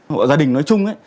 hộ gia đình nói chung